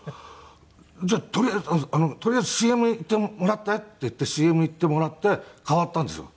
「じゃあとりあえずＣＭいってもらって」って言ってＣＭいってもらって代わったんですよ。